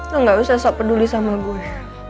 lo gak usah peduli sama gue